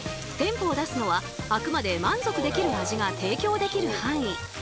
店舗を出すのはあくまで満足できる味が提供できる範囲。